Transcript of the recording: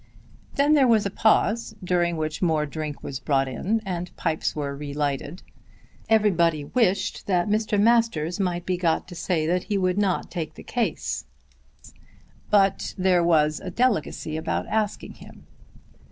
Then there was a pause, during which more drink was brought in, and pipes were re lighted. Everybody wished that Mr. Masters might be got to say that he would not take the case, but there was a delicacy about asking him.